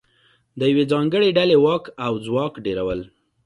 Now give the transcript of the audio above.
د یوې ځانګړې ډلې واک او ځواک ډېرول